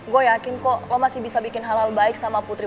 gue yakin kok lo masih bisa bikin hal hal baik sama putri